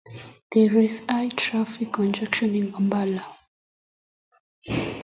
There is high traffic congestion in Kampala.